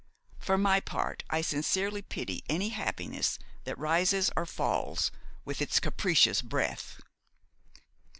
For my part, I sincerely pity any happiness that rises or falls with its capricious breath."